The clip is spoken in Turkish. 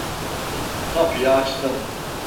Kapıyı açtım.